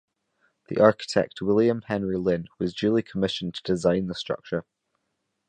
The architect William Henry Lynn was duly commissioned to design the structure.